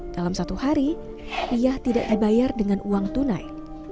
dalam satu hari ia tidak dibayar dengan uang tunai